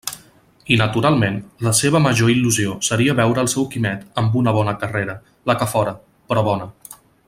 I naturalment, la seua major il·lusió seria veure el seu Quimet amb una bona carrera, la que fóra, però bona.